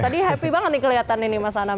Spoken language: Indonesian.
tadi happy banget nih kelihatan ini mas anam